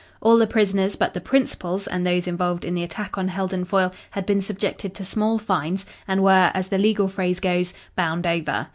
All the prisoners but the principals and those involved in the attack on Heldon Foyle had been subjected to small fines, and were, as the legal phrase goes, "bound over."